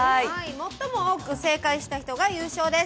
最も多く正解した人が優勝です。